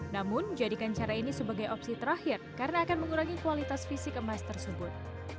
namun jadikan cara ini sebagai opsi terakhir karena akan mengurangi kualitas fisik emas tersebut